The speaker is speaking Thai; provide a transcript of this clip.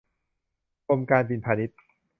กรมการบินพาณิชย์